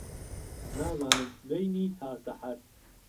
نازانم سبهینی تا سهحەر